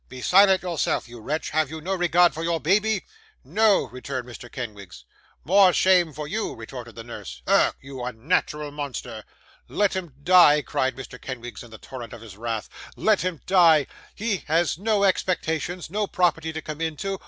'Be silent yourself, you wretch. Have you no regard for your baby?' 'No!' returned Mr. Kenwigs. 'More shame for you,' retorted the nurse. 'Ugh! you unnatural monster.' 'Let him die,' cried Mr. Kenwigs, in the torrent of his wrath. 'Let him die! He has no expectations, no property to come into.